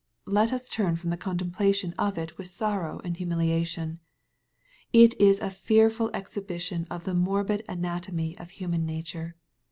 Let us turn from the contemplation of it with sorrow and humiliation. It is a fearful exhi bition of the morbid anatomy of human nature.